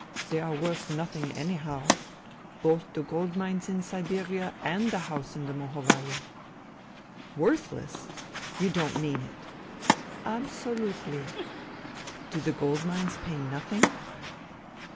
" They are worth nothing, anyhow ... both the gold mines in Siberia and the house in the Mohovaya." " Worthless ! You don't mean it ?"" Absolutely." " Do the gold mines pay nothing